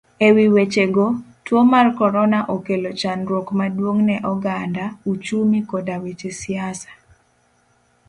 Ewi wechego, tuo mar korona okelo chandruok maduong ne oganda, uchumi koda weche siasa.